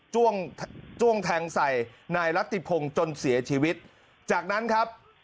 จ้วงแทงใส่นายรัตติพงศ์จนเสียชีวิตจากนั้นครับ